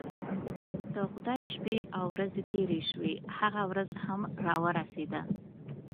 د خدای شپې او ورځې تیرې شوې هغه ورځ هم راورسېده.